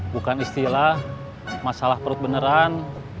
bukan istilah masalah perut beneran